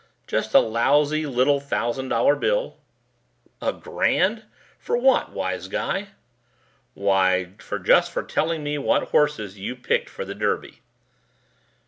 "Just a lousy little thousand dollar bill." "A grand! For what, wise guy?" "Why, just for telling me what horses you picked for the Derby."